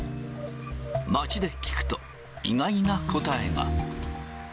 街で聞くと、意外な答えが。